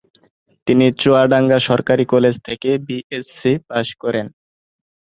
তিনি চুয়াডাঙ্গা সরকারী কলেজ থেকে বিএসসি পাস করেন।